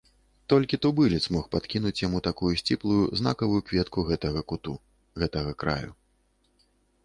Толькі тубылец мог падкінуць яму такую сціплую, знакавую кветку гэтага куту, гэтага краю.